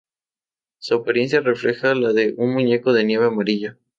Su apariencia refleja la de un muñeco de nieve amarillo.